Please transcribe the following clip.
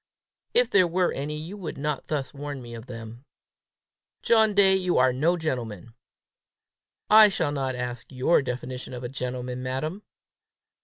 "If there were any, you would not thus warn me of them." "John Day, you are no gentleman!" "I shall not ask your definition of a gentleman, madam."